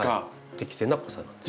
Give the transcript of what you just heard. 適正な濃さなんです。